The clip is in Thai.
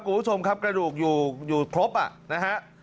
คุณผู้ชมครับกระดูกอยู่ครบอ่ะนะฮะ